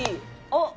あっ！